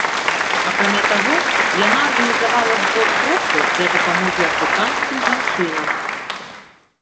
Акрамя таго, яна арганізавала збор сродкаў для дапамогі афрыканскім жанчынам.